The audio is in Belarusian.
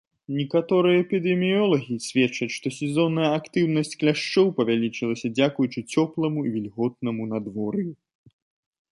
Некаторыя эпідэміёлагі сведчаць, што сезонная актыўнасць кляшчоў павялічылася дзякуючы цёпламу і вільготнаму надвор'ю.